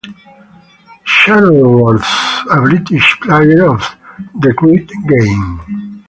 Shuttleworth a British player of The Great Game.